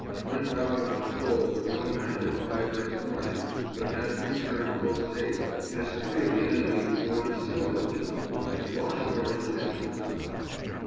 Went out on patrol with one man at five next morning, but had to return post haste, as three of the enemy were on similar job and washed our intentions out.